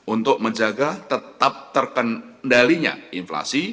untuk menjaga tetap terkendalinya inflasi